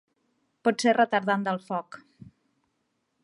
Pot ser retardant del foc.